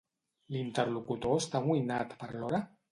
L'interlocutor està amoïnat per l'hora?